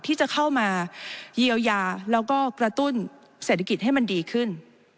ที่จะเข้ามาเยียวยาแล้วก็กระตุ้นเศรษฐกิจให้มันดีขึ้น